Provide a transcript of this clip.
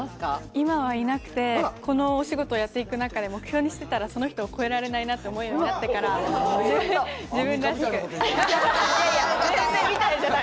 今はいなくて、この仕事をやっていく中で目標にしてたら、その人を越えられないなと思って自分らしく。